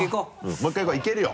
もう１回いこういけるよ。